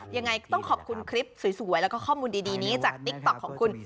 ยังไงต้องขอบคุณคลิปสวยแล้วก็ข้อมูลดีนี้จากติ๊กต๊อกของคุณ